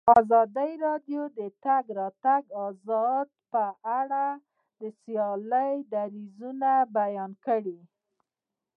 ازادي راډیو د د تګ راتګ ازادي په اړه د سیاستوالو دریځ بیان کړی.